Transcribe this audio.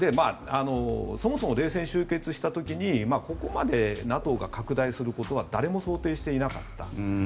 そもそも冷戦が終結した時にここまでＮＡＴＯが拡大することは誰も想定していなかった。